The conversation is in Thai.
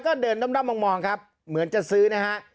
ก็เดินด้อมมองครับเหมือนจะซื้อนะฮะ